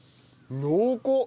濃厚！